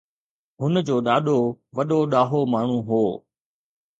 هن جو ڏاڏو وڏو ڏاهو ماڻهو هو